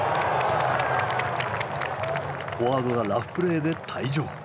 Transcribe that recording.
フォワードがラフプレーで退場。